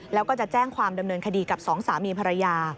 แล้วก็จะแจ้งความดำเนินคดีกับสองสามีภรรยา